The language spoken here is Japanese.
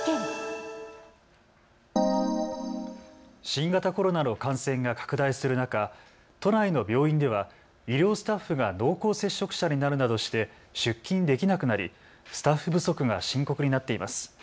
新型コロナの感染が拡大する中、都内の病院では医療スタッフが濃厚接触者になるなどして出勤できなくなりスタッフ不足が深刻になっています。